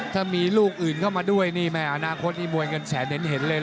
ถ้ามีลูกอื่นเข้ามาด้วยนี่แม่อนาคตนี่มวยเงินแสนเห็นเลยนะ